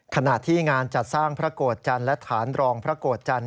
ขณะที่งานจัดสร้างพระโกรธจันทร์และฐานรองพระโกรธจันท